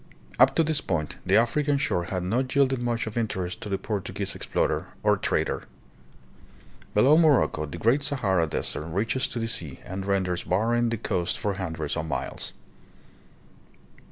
Up to this point the Afri can shore had not yielded much of interest to the Portu guese explorer or trader. Below Morocco the great Sahara Desert reaches to the sea and renders barren the coast for hundreds of miles.